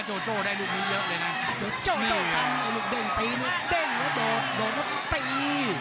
โจโจได้ลูกนี้เยอะเลยน่ะโจโจลูกเด้งตีเนี้ยเด้งแล้วโดดโดดแล้วตี